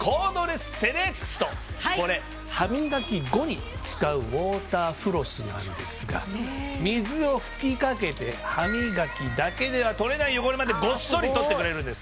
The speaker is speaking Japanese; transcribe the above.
これ歯磨き後に使うウオーターフロスなんですが水を吹き掛けて歯磨きだけでは取れない汚れまでごっそり取ってくれるんです。